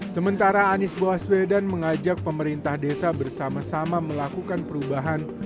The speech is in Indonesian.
sementara anies baswedan mengajak pemerintah desa bersama sama melakukan perubahan